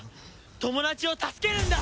友達を助けるんだ！